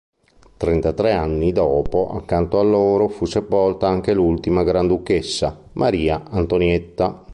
Trentatré anni dopo, accanto a loro, fu sepolta anche l'ultima granduchessa, Maria Antonietta.